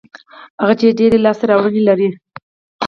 هغه چې ډېر یې لري لاسته راوړنې لري.